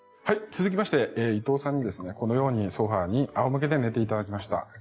続きまして伊藤さんにですねこのようにソファに仰向けで寝ていただきました。